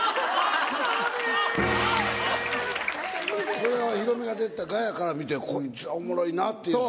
それをヒロミが出てた『ガヤ』から見てこいつらおもろいなって言うて。